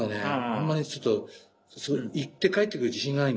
あんまりちょっと行ってかえってくる自信がないんだよ。